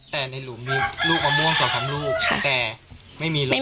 แต่ในหลุมมีลูกมะม่วงสองสามลูกแต่ไม่มีลูกมะม่วง